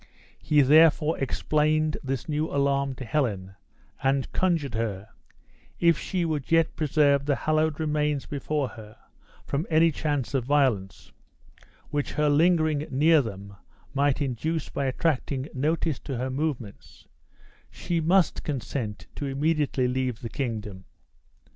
He therefore explained his new alarm to Helen, and conjured her, if she would yet preserve the hallowed remains before her from any chance of violence (which her lingering near them might induce by attracting notice to her movements), she must consent to immediately leave the kingdom.